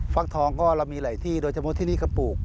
ฟักทองก็เรามีหลายที่โดยเฉพาะที่นี่ก็ปลูก